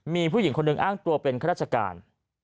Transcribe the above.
มีผู้หญิงคนหนึ่งอ้างตัวเป็นคทัศกาล